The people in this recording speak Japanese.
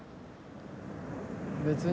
別に。